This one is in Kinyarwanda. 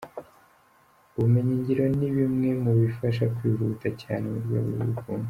Ubumenyingiro ni bimwe mu bifasha kwihuta cyane mu rwego rw’ubukungu.